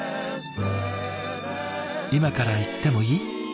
「今から行ってもいい？」